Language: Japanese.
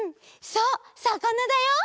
そうさかなだよ！